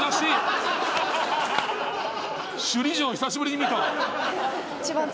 首里城久しぶりに見た。